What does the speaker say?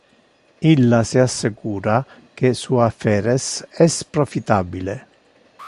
Illa se assecura que su affaires es profitabile.